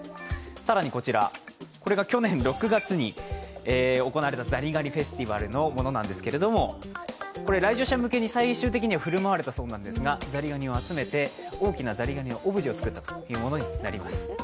更にこちらこれが去年６月に行われたザリガニフェスティバルのものなんですけど、来場者向けに最終的には振る舞われたそうなんですが、ザリガニを集めて大きなザリガニのオブジェを作ったというものになります。